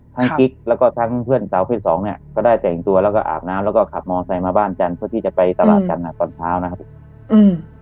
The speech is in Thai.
กิ๊กแล้วก็ทั้งเพื่อนสาวเพศสองเนี้ยก็ได้แต่งตัวแล้วก็อาบน้ำแล้วก็ขับมอไซค์มาบ้านกันเพื่อที่จะไปตลาดกันอ่ะตอนเช้านะครับผมอืม